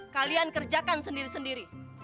kalian kerjakan sendiri sendiri